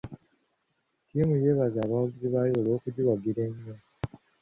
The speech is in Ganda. Ttiimu yeebaza abawagizi baayo olw'okugiwagira ennyo.